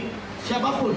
kita harus bersihkan